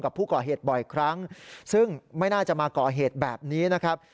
กับผู้ก่อเหตุบ่อยครั้งซึ่งไม่น่าจะมาก่อเหตุแบบนี้นะครับ